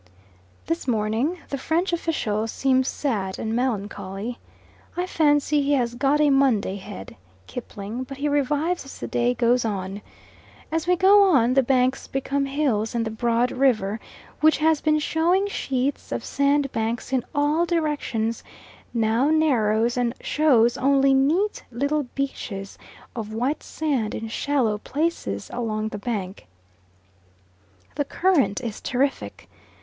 This morning the French official seems sad and melancholy. I fancy he has got a Monday head (Kipling), but he revives as the day goes on. As we go on, the banks become hills and the broad river, which has been showing sheets of sandbanks in all directions, now narrows and shows only neat little beaches of white sand in shallow places along the bank. The current is terrific.